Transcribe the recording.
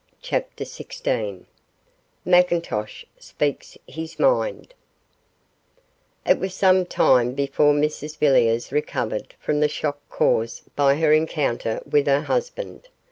CHAPTER XVI MCINTOSH SPEAKS HIS MIND It was some time before Mrs Villiers recovered from the shock caused by her encounter with her husband.